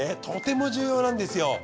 とても重要なんですよ。